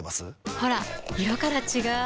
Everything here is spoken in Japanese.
ほら色から違う！